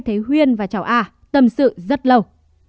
thấy huyên và cháu a tâm sự rất lâu